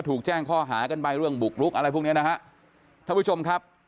ให้ถูกแจ้งค่อหากันใบเรื่องบุกลุ๊กอะไรพวกเนี่ยนะฮะเลยคุณผู้ชมครับ